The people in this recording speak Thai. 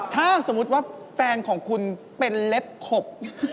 ถ้าสมมุติว่าแฟนของคุณเป็นเล็บขบ